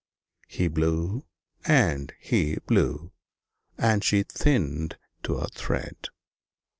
He blew and he blew, and she thinned to a thread.